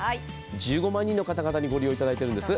１５万人の方々にご利用いただいているんです。